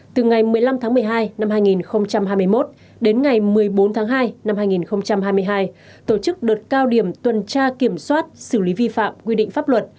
từ ngày một mươi năm tháng một mươi hai năm hai nghìn hai mươi một đến ngày một mươi bốn tháng hai năm hai nghìn hai mươi hai tổ chức đợt cao điểm tuần tra kiểm soát xử lý vi phạm quy định pháp luật